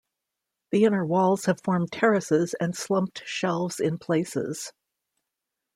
The inner walls have formed terraces and slumped shelves in places.